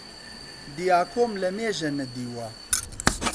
دیاکۆم لەمێژە نەدیوە